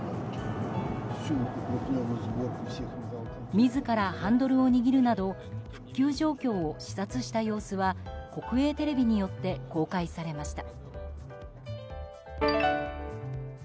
自らハンドルを握るなど復旧状況を視察した様子は国営テレビによって公開されました。